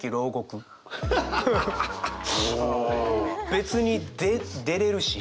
別にで出れるし。